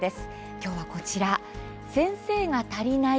今日は、こちら「先生が足りない！